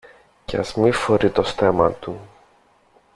και ας μη φορεί το στέμμα του